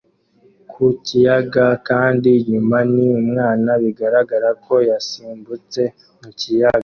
ku kiyaga kandi inyuma ni umwana bigaragara ko yasimbutse mu kiyaga